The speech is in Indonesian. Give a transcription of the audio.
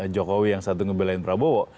jokowi yang satu ngebelain prabowo